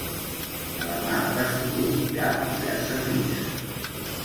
A la mar de Sulu hi ha diverses illes.